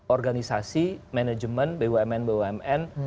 organisasi manajemen bumn bumn